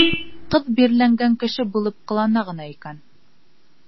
Ҡыҙ бирләнгән кеше булып ҡылана ғына икән.